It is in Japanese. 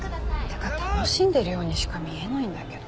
てか楽しんでるようにしか見えないんだけど。